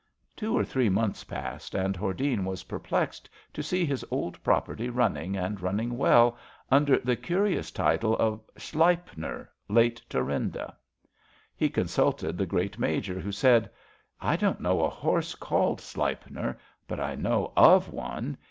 Two or three months passed and Hor dene was perplexed to see his old property run ning, and running well, imder the curious title of *' Sleipner — ^late ThurmdaJ^ He consulted the Great Major, who said: I don^t know a horse called Sleipner, but I know of one.